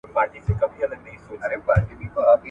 بد زړه تل دښمني پيدا کوي